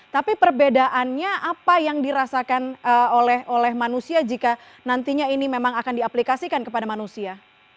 tapi perbedaannya apa yang dirasakan oleh manusia jika nantinya ini memang akan diaplikasikan kepada manusia